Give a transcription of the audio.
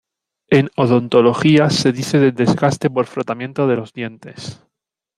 En odontología se dice del desgaste por frotamiento de los dientes.